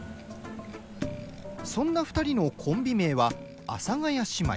そんな２人のコンビ名は阿佐ヶ谷姉妹。